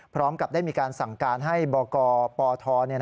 พร้อมกับได้มีการสั่งการให้บกปท